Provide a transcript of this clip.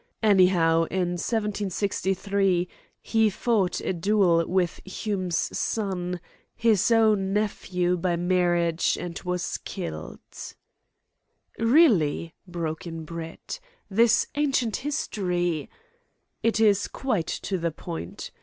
Anyhow, in 1763, he fought a duel with Hume's son, his own nephew by marriage, and was killed." "Really," broke in Brett, "this ancient history " "Is quite to the point.